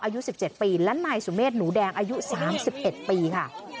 อายุสิบเจ็ดปีและนายสุเมษหนูแดงอายุสามสิบเอ็ดปีค่ะ